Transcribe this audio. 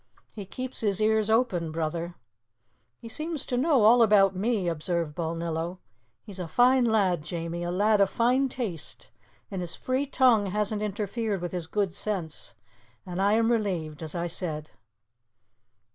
"He keeps his ears open, brother." "He seems to know all about me," observed Balnillo. "He's a fine lad, Jamie a lad of fine taste; and his free tongue hasn't interfered with his good sense. And I am relieved, as I said."